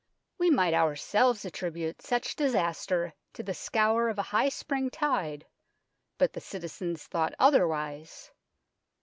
We might ourselves attribute such disaster to the scour of a high spring tide, but the citizens thought otherwise.